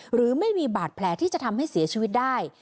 หรือไม่มีบาดแผลที่จะทำให้เสียชีวิตได้